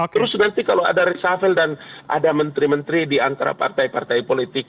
terus nanti kalau ada resafel dan ada menteri menteri diantara partai partai politik